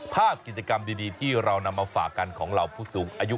ภาพกิจกรรมดีที่เรานำมาฝากกันของเหล่าผู้สูงอายุ